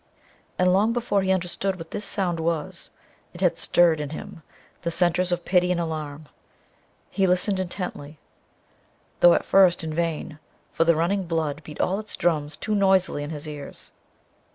And, long before he understood what this sound was, it had stirred in him the centers of pity and alarm. He listened intently, though at first in vain, for the running blood beat all its drums too noisily in his ears.